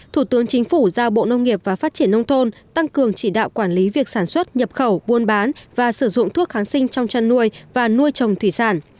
thủ tướng chính phủ giao bộ nông nghiệp và phát triển nông thôn tăng cường chỉ đạo quản lý việc sản xuất nhập khẩu buôn bán và sử dụng thuốc kháng sinh trong chăn nuôi và nuôi trồng thủy sản